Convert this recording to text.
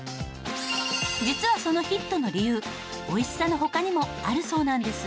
実はそのヒットの理由おいしさの他にもあるそうなんです。